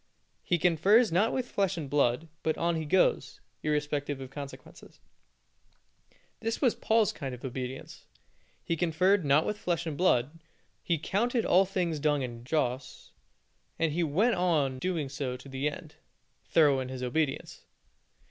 He confers not with flesh and blood, but on he goes, irrespective of consequences. This was Paul's kind of obedience. He conferred not with flesh and blood; he counted all things dung and dross, and he went on doing so to the end thorough in his obedience.